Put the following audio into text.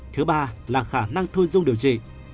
thứ ba là khả năng thu dung điều trị